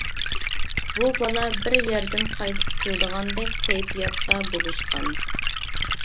بۇ بالا بىر يەردىن قايتىپ كېلىدىغاندەك كەيپىياتتا بولۇشقان.